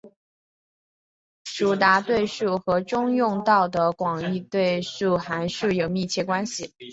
迭代对数和中用到的广义对数函数有密切关系。